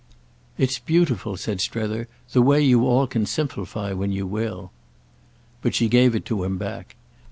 "It's beautiful," said Strether, "the way you all can simplify when you will." But she gave it to him back.